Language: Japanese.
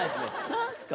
何すか？